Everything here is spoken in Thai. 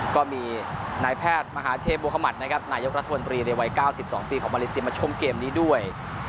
ก็มีนายแพทย์มหาเทพบุคมัตินะครับนายกรัฐมนตรีในวัย๙๒ปีของมาเลเซียมาชมเกมนี้ด้วย